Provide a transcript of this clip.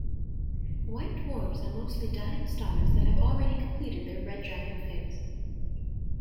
White dwarfs are mostly dying stars that have already completed their red giant phase.